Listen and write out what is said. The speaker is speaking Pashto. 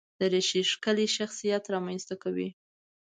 دریشي ښکلی شخصیت رامنځته کوي.